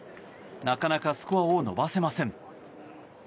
なかなかスコアを伸ばせません。